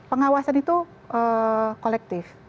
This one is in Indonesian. pengawasan itu kolektif